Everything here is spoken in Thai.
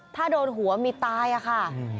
ถ้าโดนหัวมีตายอะค่ะ